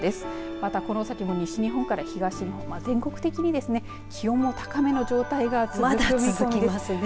またこの先も西日本から東日本は全国的に気温が高めの状態が続く見込みです。